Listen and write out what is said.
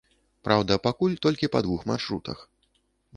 Праўда, пакуль толькі па двух маршрутах.